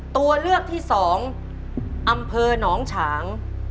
ตัวเลือกที่๒อำเภอหนองฉาง